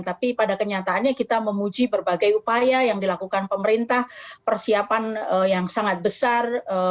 tapi pada kenyataannya kita memuji berbagai upaya yang dilakukan pemerintah persiapan yang sangat besar